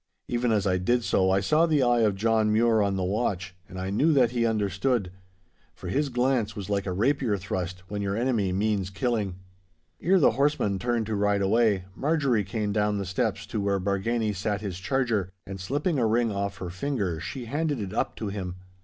Even as I did so I saw the eye of John Mure on the watch, and I knew that he understood. For his glance was like a rapier thrust when your enemy means killing. Ere the horsemen turned to ride away, Marjorie came down the steps to where Bargany sat his charger, and slipping a ring off her finger she handed it up to him.